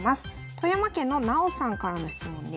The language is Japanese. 富山県のなおさんからの質問です。